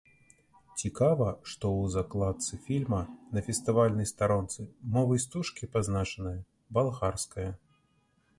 Цікава, што ў закладцы фільма на фестывальнай старонцы мовай стужкі пазначаная балгарская.